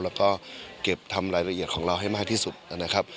แล้วก็เก็บทำรายละเอียดของเราให้มากที่สุดนะครับ